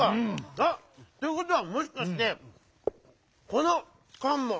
あっ！ということはもしかしてこのかんも。